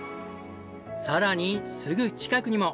さらにすぐ近くにも。